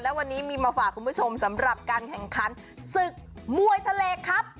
และวันนี้มีมาฝากคุณผู้ชมสำหรับการแข่งขันศึกมวยทะเลครับ